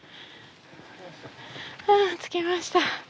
あ着きました。